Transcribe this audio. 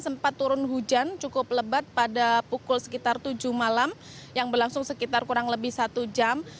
sempat turun hujan cukup lebat pada pukul sekitar tujuh malam yang berlangsung sekitar kurang lebih satu jam